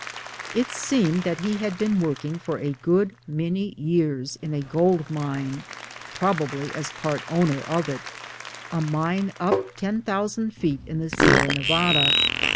It seemed that he had been working for a good many years in a gold mine (probably as part owner of it) a mine up 10,000 feet in the Sierra Nevada.